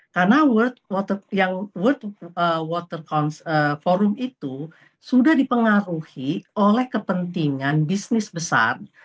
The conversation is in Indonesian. karena world water forum itu sudah dipengaruhi oleh kepentingan bisnis besar